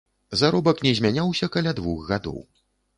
Заробак не змяняўся каля двух гадоў.